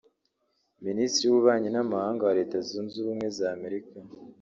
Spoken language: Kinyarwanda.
Minisitiri w’ububanyi n’amahanga wa Leta Zunze Ubumwe za Amerika